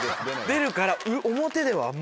出るから。